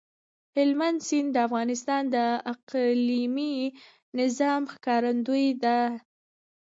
هلمند سیند د افغانستان د اقلیمي نظام ښکارندوی ده.